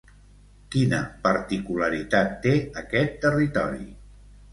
Quina particularitat té aquest territori?